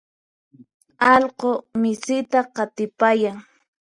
allqu misita qatipayan.